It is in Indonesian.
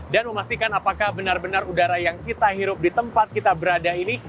dan memastikan apakah benar benar udara yang kita hirup di tempat kita berada ini